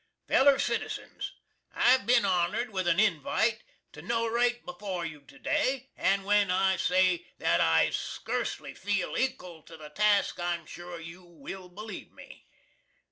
] FELLER CITIZENS: I've bin honored with a invite to norate before you to day; and when I say that I skurcely feel ekal to the task, I'm sure you will believe me.